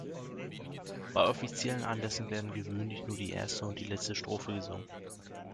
Bei offiziellen Anlässen werden gewöhnlich nur die erste und die letzte Strophe gesungen.